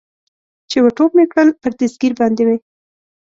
چې ور ټوپ مې کړل، پر دستګیر باندې مې.